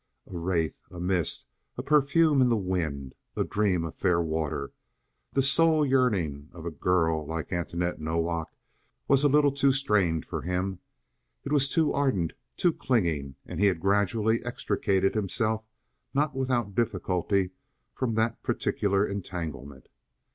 A wraith, a mist, a perfume in the wind, a dream of fair water. The soul yearning of a girl like Antoinette Nowak was a little too strained for him. It was too ardent, too clinging, and he had gradually extricated himself, not without difficulty, from that particular entanglement.